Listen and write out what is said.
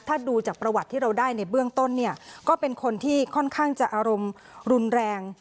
ถ้าดูจากประวัติที่เราได้ในเบื้องต้นเนี่ยก็เป็นคนที่ค่อนข้างจะอารมณ์รุนแรง